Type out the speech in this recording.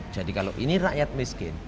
jadi kalau ini rakyat miskin